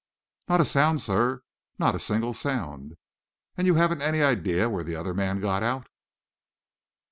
"Not a sound, sir; not a single sound." "And you haven't any idea where the other man got out?"